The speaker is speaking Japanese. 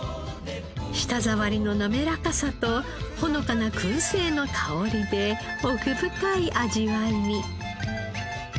舌触りのなめらかさとほのかな燻製の香りで奥深い味わいに。